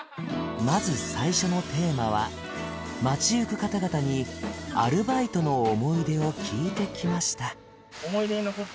まず最初のテーマは街ゆく方々にアルバイトの思い出を聞いてきました